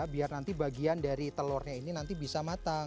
biar nanti bagian dari telurnya ini nanti bisa matang